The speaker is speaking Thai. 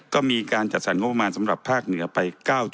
ก็มีการจัดสรรงบประมาณสำหรับภาคเหนือไป๙